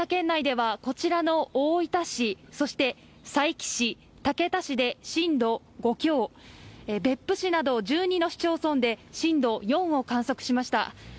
内ではこちらの大分市、そして佐伯市で竹田市で震度５強、別府市など１２の市町村で、震度４を観測しました。